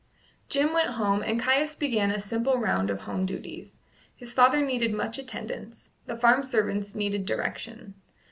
Jim went home, and Caius began a simple round of home duties. His father needed much attendance; the farm servants needed direction.